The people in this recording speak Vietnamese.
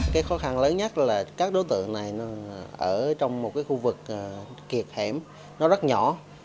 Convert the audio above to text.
cái khó khăn lớn nhất là các đối tượng này ở trong một cái khu vực kiệt hẻm nó rất nhỏ